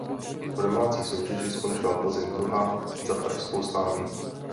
V domácí soutěži skončila Plzeň druhá za pražskou Slavií.